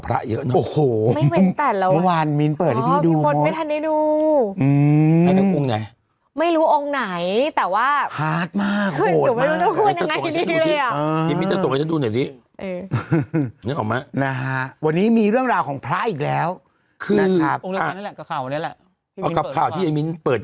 คือนะครับอังกฤษฐานั่นแหละกับข่าวนี้แหละเอากับข่าวที่ไอ้มิ้นต์เปิด